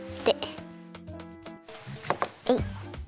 えい！